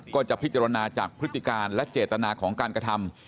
ก็จะพิจารณาจากพฤติการและเจตนาของการกระทำ